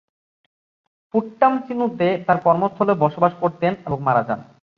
পুট্টাম চিনোতে তার কর্মস্থলে বসবাস করতেন এবং মারা যান।